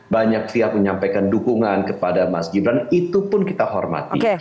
banyak pihak menyampaikan dukungan kepada mas gibran itu pun kita hormati